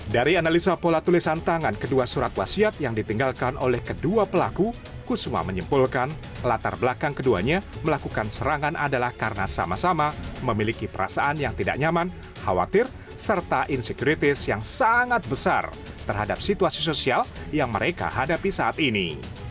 dari analisa pola tulisan tangan kedua surat wasiat yang ditinggalkan oleh kedua pelaku kusma menyimpulkan latar belakang keduanya melakukan serangan adalah karena sama sama memiliki perasaan yang tidak nyaman khawatir serta insek kritis yang sangat besar terhadap situasi sosial yang mereka hadapi saat ini